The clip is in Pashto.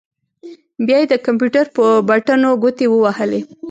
بيا يې د کمپيوټر پر بټنو ګوتې ووهلې.